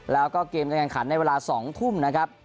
แล้วก็เกมการแข่งขันในเวลา๒ทุ่มนะครับ